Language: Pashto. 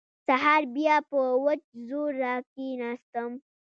سهار بيا په وچ زور راکښېناستم.